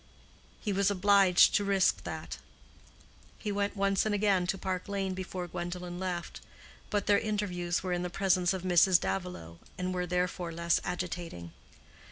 He was obliged to risk that. He went once and again to Park Lane before Gwendolen left; but their interviews were in the presence of Mrs. Davilow, and were therefore less agitating.